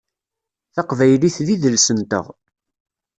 Taqbaylit d idles-nteɣ.